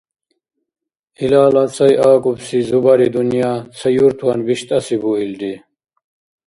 Илала сай акӀубси зубари-дунъя ца юртван биштӀаси буилри!